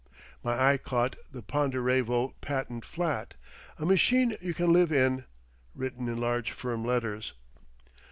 My eye caught "The Ponderevo Patent Flat, a Machine you can Live in," written in large firm letters.